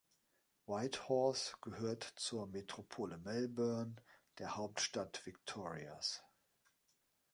Whitehorse gehört zur Metropole Melbourne, der Hauptstadt Victorias.